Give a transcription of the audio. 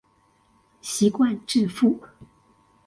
習慣致富